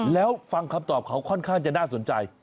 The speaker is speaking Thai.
แล้วฟังคำตอบเขาค่อนข้างจะน่าสนใจ